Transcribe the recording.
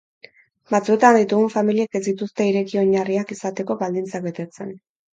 Batzuetan, ditugun familiek ez dituzte ireki-oinarriak izateko baldintzak betetzen.